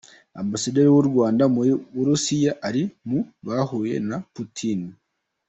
Ambasaderi w’u Rwanda mu Burusiya ari mu bahuye na Putin.